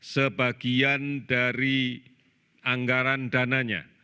sebagian dari anggaran dananya